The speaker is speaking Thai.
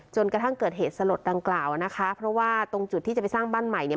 กระทั่งเกิดเหตุสลดดังกล่าวนะคะเพราะว่าตรงจุดที่จะไปสร้างบ้านใหม่เนี่ย